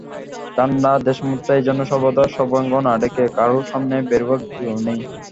ঠাণ্ডা দেশমাত্রেই এজন্য সর্বদা সর্বাঙ্গ না ঢেকে কারু সামনে বেরুবার যো নেই।